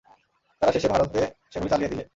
তারা শেষে ভারতে সেগুলি চালিয়ে দিলে।